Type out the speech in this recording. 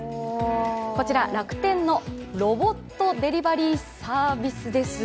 こちら楽天のロボットデリバリーサービスです。